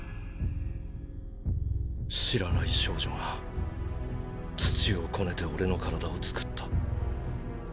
知らない少女が土をこねて俺の体を作った。